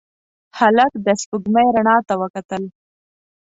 هلک د سپوږمۍ رڼا ته وکتل.